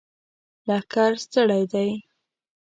لښکر ستړی دی!